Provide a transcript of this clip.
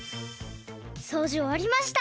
そうじおわりました。